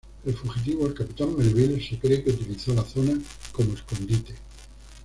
El fugitivo, el capitán Melville se cree que utilizó la zona como escondite.